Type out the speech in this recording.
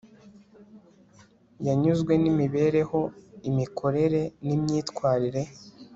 yanyuzwe n'imibereho, imikorere n'imyitwarire